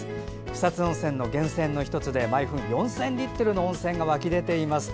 草津温泉の源泉の１つで毎分４０００リットルの温泉が湧き出ています。